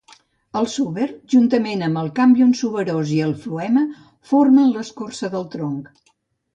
El súber, juntament amb el càmbium suberós i el floema formen l'escorça del tronc.